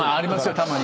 たまに。